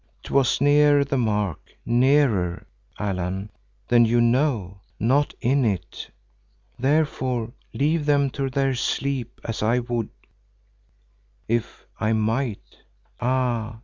'Twas near the mark; nearer, Allan, than you know, not in it! Therefore leave them to their sleep as I would if I might—ah!